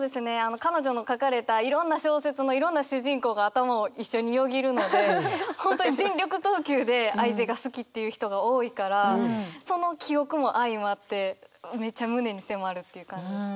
彼女の書かれたいろんな小説のいろんな主人公が頭を一緒によぎるので本当に全力投球で相手が好きっていう人が多いからその記憶も相まってめちゃ胸に迫るっていう感じ。